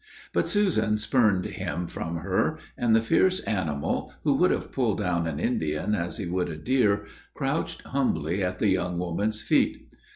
But Susan spurned him from her; and the fierce animal, who would have pulled down an Indian as he would a deer, crouched humbly at the young woman's feet.